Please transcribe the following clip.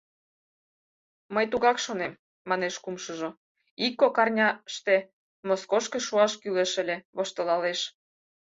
— Мыят тугак шонем, — манеш кумшыжо, — ик-кок арняште Москошко шуаш кӱлеш ыле, — воштылалеш.